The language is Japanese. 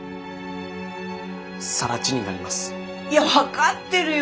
いや分かってるよ